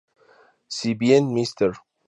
Si bien "Mr.